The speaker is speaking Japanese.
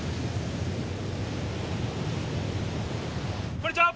こんにちは。